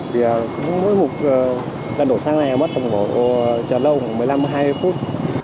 vì mỗi lần đổ xăng này mất tổng hộ chờ lâu khoảng một mươi năm hai mươi phút